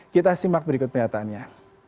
kita simak berikut pernyataannya